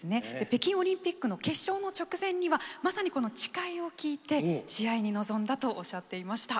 北京オリンピックの決勝の直前にはまさに、この「誓い」を聴いて試合に臨んだとおっしゃっていました。